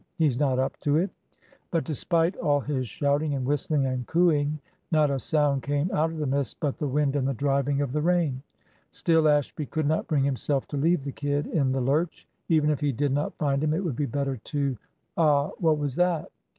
He's not up to it." But despite all his shouting and whistling and cooeying, not a sound came out of the mist but the wind and the driving of the rain. Still Ashby could not bring himself to leave the "kid" in the lurch. Even if he did not find him it would be better to "Ah! what was that?"